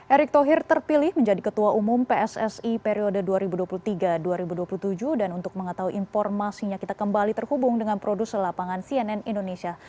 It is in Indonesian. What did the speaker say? erick thohir terpilih menjadi ketua umum pssi periode dua ribu dua puluh tiga dua ribu dua puluh tujuh dan untuk mengetahui informasinya kita kembali terhubung dengan produser lapangan cnn indonesia